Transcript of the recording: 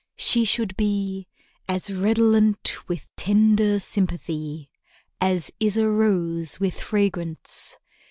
She should be As redolent with tender sympathy As is a rose with fragrance.